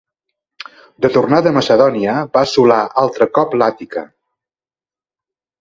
De tornada a Macedònia va assolar altre cop l'Àtica.